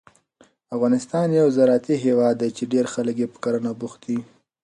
افغانستان یو زراعتي هېواد دی چې ډېری خلک یې په کرنه بوخت دي.